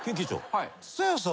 はい。